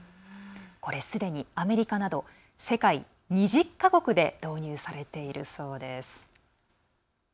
これ、すでにアメリカなど世界２０か国で導入されているそうです。